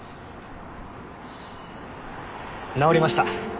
直りました。